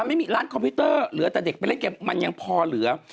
ไม่มีร้านคอมพิวเตอร์เหลือแต่เด็กไปเล่นเกมมันยังพอเหลือ